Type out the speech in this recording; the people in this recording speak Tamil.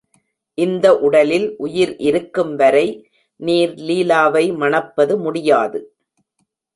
இந்த உடலில் உயிர் இருக்கும் வரை நீர் லீலாவை மணப்பது முடியாது!